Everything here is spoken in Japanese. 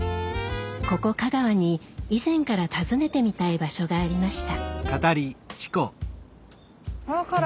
ここ香川に以前から訪ねてみたい場所がありました。